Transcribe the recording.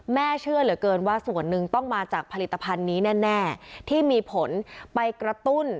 เชื่อเหลือเกินว่าส่วนหนึ่งต้องมาจากผลิตภัณฑ์นี้แน่ที่มีผลไปกระตุ้น